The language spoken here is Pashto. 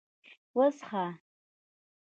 _وڅښه!